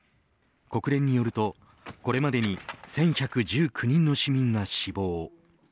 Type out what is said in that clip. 国連によるとこれまでに１１１９人の市民が死亡。